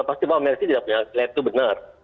pasti mersi tidak punya lab itu benar